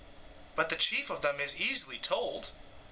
But the chief of them is easily told.